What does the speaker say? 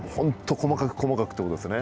細かく細かくってことですね。